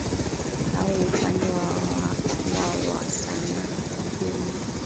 au upande wa wa sanaa kwa ujumla